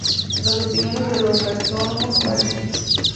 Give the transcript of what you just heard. Las opiniones de los taxónomos varían.